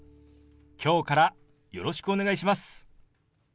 今日からよろしくお願いします。